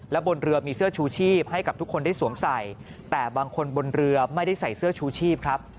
และบนเรือมีเสื้อชูชีพให้กับทุกคนได้สวมใส่แต่บางคนบนเรือไม่ได้ใส่เสื้อชูชีพครับ